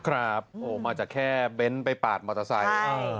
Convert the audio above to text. ครับโอ้มาจากแค่เบ้นไปปาดมอเตอร์ไซค์